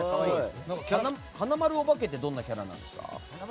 はなまるおばけってどんなキャラなんですか？